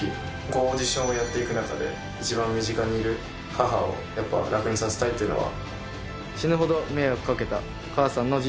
オーディションをやっていく中で一番身近にいる母をやっぱ楽にさせたいっていうのは。